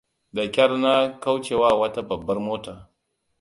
Da kyar na kaucewa wata babbar mota.